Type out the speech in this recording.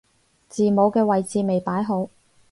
字母嘅位置未擺好